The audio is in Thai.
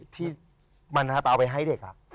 ที่มันเอาไปให้เด็ก